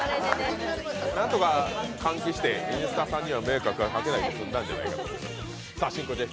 なんとか換気して「Ｎスタ」さんには迷惑をかけずに済むんじゃないかと。